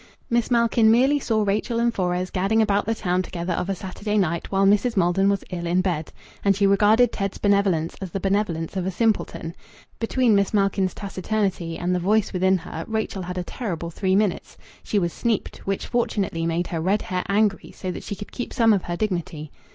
Miss Malkin merely saw Rachel and Fores gadding about the town together of a Saturday night while Mrs. Maldon was ill in bed. And she regarded Ted's benevolence as the benevolence of a simpleton. Between Miss Malkin's taciturnity and the voice within her Rachel had a terrible three minutes. She was "sneaped"; which fortunately made her red hair angry, so that she could keep some of her dignity.